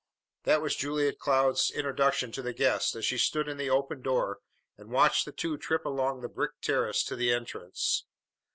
That was Julia Cloud's introduction to the guest as she stood in the open door and watched the two trip along the brick terrace to the entrance.